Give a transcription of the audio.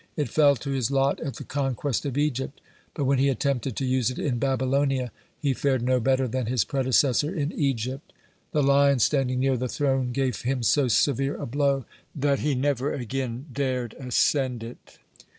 It fell to his lot at the conquest of Egypt, but when he attempted to use it in Babylonia, he fared no better than his predecessor in Egypt. The lion standing near the throne gave him so severe a blow that he never again dared ascend it.